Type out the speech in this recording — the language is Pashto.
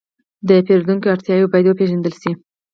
د پیرودونکو اړتیاوې باید وپېژندل شي.